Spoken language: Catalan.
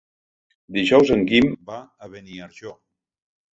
Dijous en Guim va a Beniarjó.